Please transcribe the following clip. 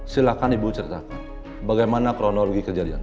silahkan ibu ceritakan bagaimana kronologi kejadian